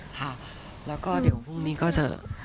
ค่ะแล้วก็เดี๋ยวพรุ่งนี้ก็จะ